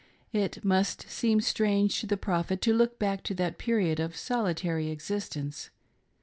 It must seem strange to the Prophet to look back to that period of solitary existence.